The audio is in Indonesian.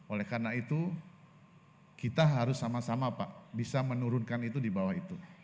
oleh karena itu kita harus sama sama pak bisa menurunkan itu di bawah itu